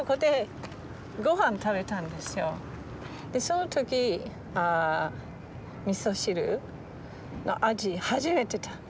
その時みそ汁の味初めて。